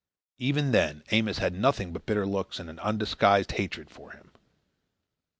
Even then, Amos had nothing but bitter looks and an undisguised hatred for him.